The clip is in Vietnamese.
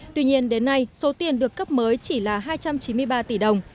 tuy nhiên đến nay số tiền được cấp mới chỉ là hai trăm chín mươi ba tỷ đồng